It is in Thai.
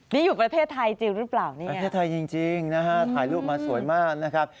นี่อยู่ประเทศไทยจริงหรือเปล่านี่ประเทศไทยจริงนะฮะถ่ายรูปมาสวยมากนะครับ